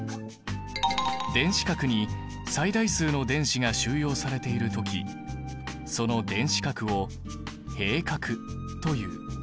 電子殻に最大数の電子が収容されている時その電子殻を閉殻という。